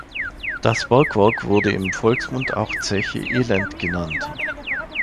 Das Bergwerk wurde im Volksmund auch Zeche Elend genannt.